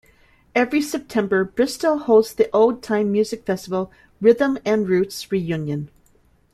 Every September, Bristol hosts the old-time music festival, Rhythm and Roots Reunion.